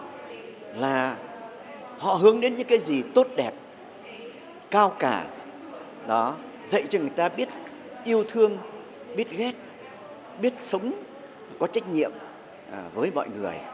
thứ hai là họ hướng đến những cái gì tốt đẹp cao cả dạy cho người ta biết yêu thương biết ghét biết sống có trách nhiệm với mọi người